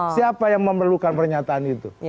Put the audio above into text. siapa yang memerlukan pernyataan itu